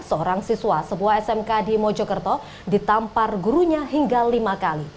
seorang siswa sebuah smk di mojokerto ditampar gurunya hingga lima kali